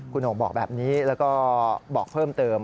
คุณโอ่งบอกแบบนี้แล้วก็บอกเพิ่มเติม